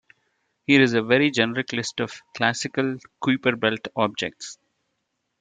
Here is a very generic list of classical Kuiper belt objects.